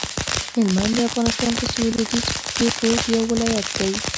هلمند د افغانستان په سویل لویدیځ کې پروت یو ولایت دی